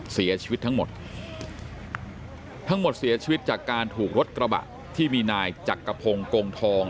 เสียชีวิตทั้งหมดทั้งหมดเสียชีวิตจากการถูกรถกระบะที่มีนายจักรพงศ์กงทอง